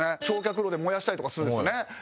焼却炉で燃やしたりとかするんですね。